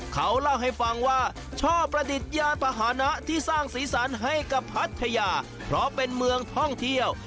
เขาเล่าให้ฟังว่าชอบประดิษฐ์ยานพาหนะที่สร้างสีสันให้กับพัทยาเพราะเป็นเมืองท่องเที่ยว